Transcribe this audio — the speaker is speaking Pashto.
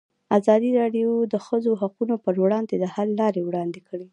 ازادي راډیو د د ښځو حقونه پر وړاندې د حل لارې وړاندې کړي.